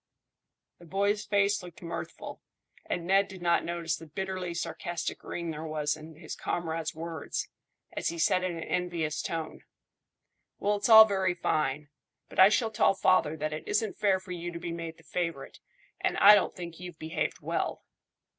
The boy's face looked mirthful, and Ned did not notice the bitterly sarcastic ring there was in his comrade's words, as he said in an envious tone "Well, it's all very fine, but I shall tell father that it isn't fair for you to be made the favourite, and I don't think you've behaved well."